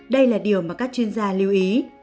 đây là điều mà các chuyên gia lưu ý